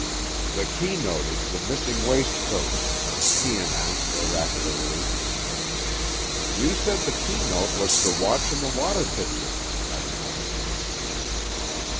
"The keynote is the missing waistcoats," Kee announced, oracularly. "You said the keynote was the watch in the water pitcher," I reminded him.